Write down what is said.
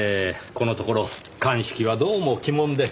このところ鑑識はどうも鬼門で。